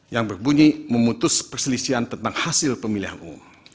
yang berbunyi memutus perselisihan tentang hasil pemilihan umum